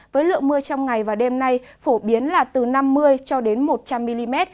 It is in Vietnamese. với lượng mưa trong ngày và đêm nay phổ biến là từ năm mươi cho đến một trăm linh mm